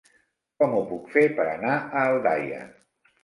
Com ho puc fer per anar a Aldaia?